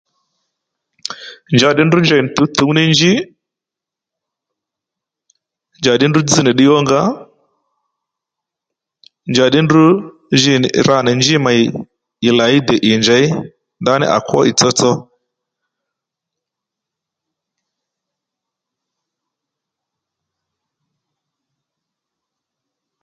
Njaddí ndrǔ njey nì tǔwtǐw ní njí njàddí ndrǔ dzź nì ddiy ónga njàddí ndrǔ ji nì ra nì njí mèy ì làyi dè ì njěy ndaní à kwó ì tsotso